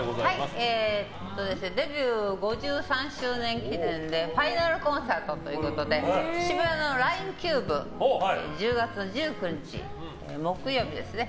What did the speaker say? デビュー５３周年記念ファイナルコンサートで渋谷のＬＩＮＥＣＵＢＥで１０月１９日木曜日ですね。